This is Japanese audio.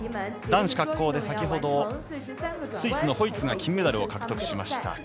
男子滑降で先ほどスイスのオイツが金メダルを獲得しました。